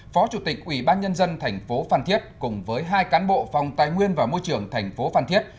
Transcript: phó chủ tịch ủy ban nhân dân tp phan thiết cùng với hai cán bộ phòng tài nguyên và môi trường tp phan thiết